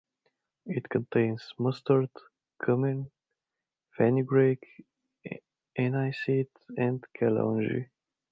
It contains mustard, cumin, fenugreek, aniseed and kalonji.